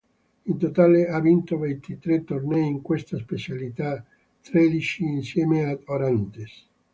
In totale ha vinto ventitré tornei in questa specialità, tredici insieme ad Orantes.